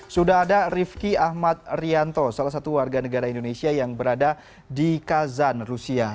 sudah ada rifki ahmad rianto salah satu warga negara indonesia yang berada di kazan rusia